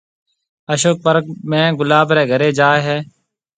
اشوڪ پرٻ ۾ گلاب رَي گھرَي جائيَ ھيََََ